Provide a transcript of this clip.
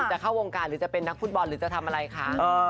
จะเข้าวงการหรือจะเป็นนักฟุตบอลหรือจะทำอะไรคะ